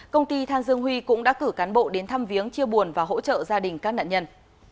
công ty than dương huy cũng đã cử cán bộ đến thăm viếng chia buồn và hỗ trợ gia đình các nạn nhân